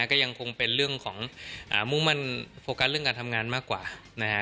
ก็ยังคงเป็นเรื่องของมุ่งมั่นโฟกัสเรื่องการทำงานมากกว่านะฮะ